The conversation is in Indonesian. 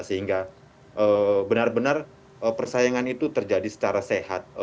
sehingga benar benar persaingan itu terjadi secara sehat